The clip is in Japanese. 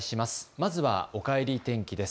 まずはおかえり天気です。